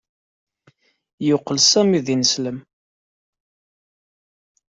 Yeqqel Sami d ineslem.